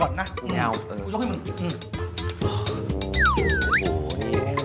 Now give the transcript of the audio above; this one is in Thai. โอ้โฮนี่